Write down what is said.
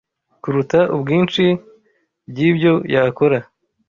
kuruta ubwinshi by’ibyo yakora